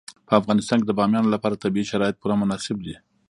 په افغانستان کې د بامیان لپاره طبیعي شرایط پوره مناسب دي.